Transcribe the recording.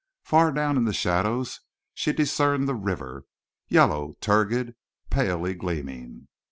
Far down in the shadows she discerned the river, yellow, turgid, palely gleaming.